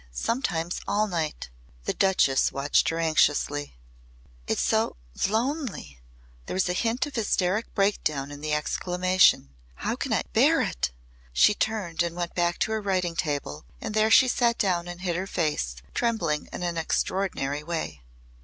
Sometimes all night." The Duchess watched her anxiously. "It's so lonely!" There was a hint of hysteric breakdown in the exclamation. "How can I bear it!" She turned and went back to her writing table and there she sat down and hid her face, trembling in an extraordinary way.